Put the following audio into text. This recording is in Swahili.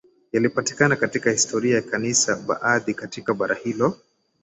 yaliyopatikana katika historia ya Kanisa baadhi katika bara hilo baadhi